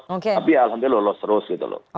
tapi alhamdulillah lolos terus gitu loh